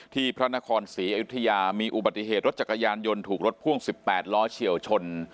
พระนครศรีอยุธยามีอุบัติเหตุรถจักรยานยนต์ถูกรถพ่วง๑๘ล้อเฉียวชน